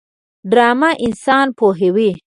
ډرامه انسان پوهوي